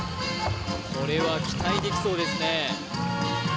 これは期待できそうですね